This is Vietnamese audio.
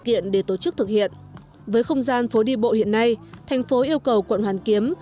kiện để tổ chức thực hiện với không gian phố đi bộ hiện nay thành phố yêu cầu quận hoàn kiếm